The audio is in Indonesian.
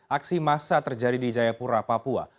aksi massa terjadi di jayapura papua